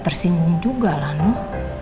tersinggung juga lah noh